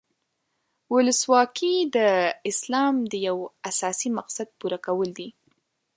ولسواکي د اسلام د یو اساسي مقصد پوره کول دي.